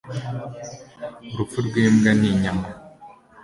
urupfu rw'imbwa ni inyama